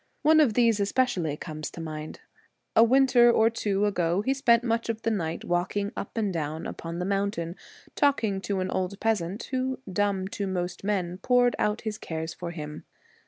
One of these especially comes to mind. A winter or two ago he spent much of the night walking up and down upon the *9 The mountain talking to an old peasant who, Celtic 11 j i_ Twilight, dumb to most men, poured out his cares for him.